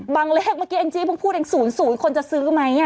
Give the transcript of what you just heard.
บางเลขเมื่อกี้อันจริงพูดอย่าง๐๐คนจะซื้อไหมนี่